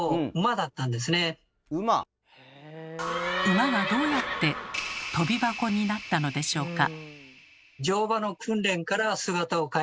馬がどうやってとび箱になったのでしょうか？